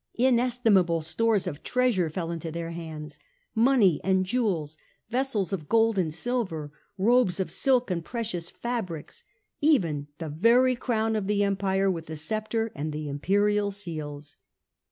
Inestimable stores of treasure fell into their hands, money and jewels, vessels of gold and silver, robes of silk and precious fabrics ; even the very Crown of the Empire, with the Sceptre and the Imperial seals.